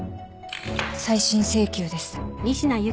再審請求です。